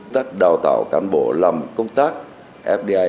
các đào tạo cán bộ làm công tác fdi